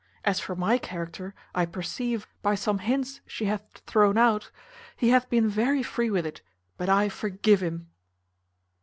As for my character, I perceive, by some hints she hath thrown out, he hath been very free with it, but I forgive him."